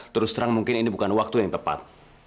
terus terang mungkin ini bukan waktu yang tepat